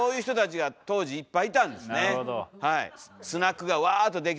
はい。